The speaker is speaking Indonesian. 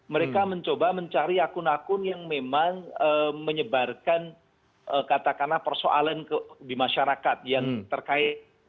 mereka mencoba mencari akun akun yang memang menyebarkan katakanlah persoalan di masyarakat yang terkait